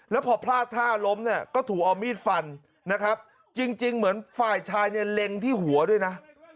แล้วพอพลาดท่าล้มเนี่ยก็ถูกเอามีดฟันนะครับจริงเหมือนฝ่ายชายเนี่ยเล็งที่หัวด้วยนะ